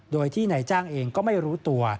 โดยที่นายจ้างเองก็ไม่รู้ตัว